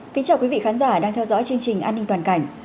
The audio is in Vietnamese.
kính chào quý vị khán giả đang theo dõi chương trình an ninh toàn cảnh